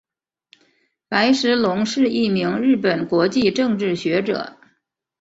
白石隆是一名日本国际政治学者。